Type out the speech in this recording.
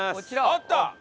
あった！